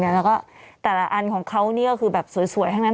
แล้วก็แต่ละอันของเขานี่ก็คือแบบสวยทั้งนั้น